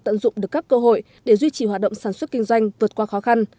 tận dụng được các cơ hội để duy trì hoạt động sản xuất kinh doanh vượt qua khó khăn